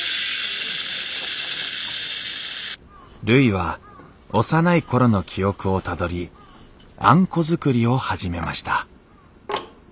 るいは幼い頃の記憶をたどりあんこ作りを始めました